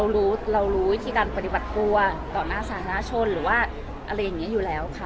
รู้เรารู้วิธีการปฏิบัติตัวต่อหน้าสาธารณชนหรือว่าอะไรอย่างนี้อยู่แล้วค่ะ